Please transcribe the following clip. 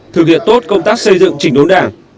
thực hiện tốt công tác xây dựng chỉnh đốn đảng